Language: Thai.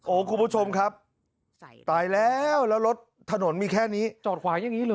โอ้โหคุณผู้ชมครับตายแล้วแล้วรถถนนมีแค่นี้จอดขวาอย่างนี้เหรอ